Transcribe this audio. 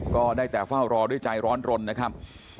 ก็ได้แต่เฝ้ารอด้วยใจร้อนรนนะครับ